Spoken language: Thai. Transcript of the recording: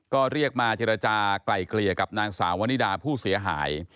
ก็เรียกมาเจรจากลายเกลี่ยกับนางสาววนิดาผู้เสียหาย